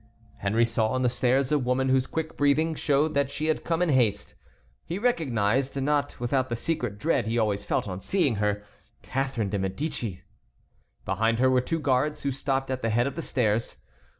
Henry saw on the stairs a woman whose quick breathing showed that she had come in haste. He recognized, not without the secret dread he always felt on seeing her, Catharine de Médicis. Behind her were two guards who stopped at the head of the stairs.